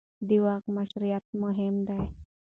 د واک مشروعیت مهم دی